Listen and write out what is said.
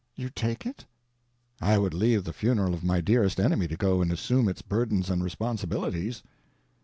"You'd take it?" "I would leave the funeral of my dearest enemy to go and assume its burdens and responsibilities."